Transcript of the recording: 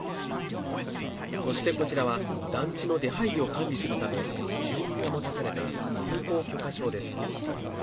そして、こちらは団地の出はいりを管理するため住民が持たされた通行許可証です。